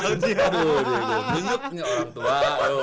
aduh dia tuh menunjuknya orang tua